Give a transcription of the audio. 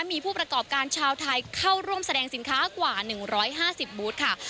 มีผู้ประกอบการชาวไทยเข้าร่วมแสดงสินค้ากว่า๑๕๐บูธค่ะ